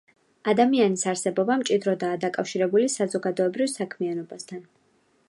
ადამიანის არსებობა მჭიდროდაა დაკავშირებული საზოგადოებრივ საქმიანობასთან.